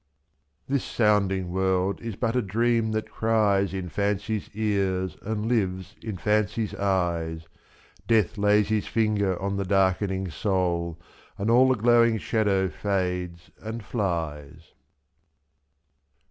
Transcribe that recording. This sounding world is but a dream that cries In fancy's ears and lives in fancy's eyes, /+F.Death lays his finger on the darkening soul. And all the glowing shadow fades and flies.